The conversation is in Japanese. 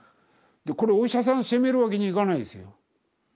これお医者さん責めるわけにいかないですよ。